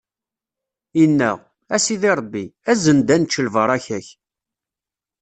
inna: A Sidi Ṛebbi, azen-d ad nečč lbaṛaka-k!